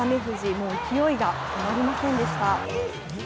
もう勢いが止まりませんでした。